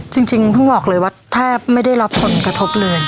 จริงเพิ่งบอกเลยว่าแทบไม่ได้รับผลกระทบเลย